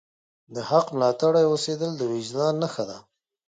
د حق ملاتړی اوسیدل د وجدان نښه ده.